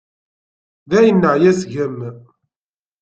Dayen neɛya seg-m.